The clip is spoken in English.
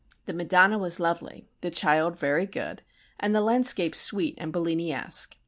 The Madonna was lovely, the Child very good, the landscape sweet and Belliniesque.